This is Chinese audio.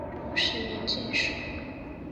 乾隆十年进士。